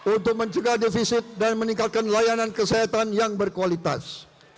untuk mencegah defisit dan meningkatkan layanan kesehatan yang berkualitas